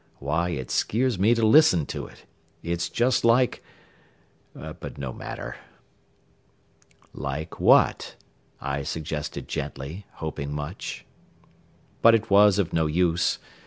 Why, it skeers me to listen to it. It's just like but no matter." "Like what?" I suggested gently, hoping much. But it was of no use.